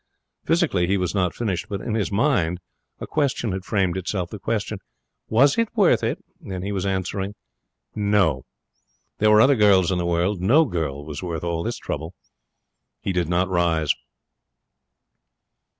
Physically, he was not finished; but in his mind a question had framed itself the question. 'Was it worth it?' and he was answering, 'No.' There were other girls in the world. No girl was worth all this trouble. He did not rise.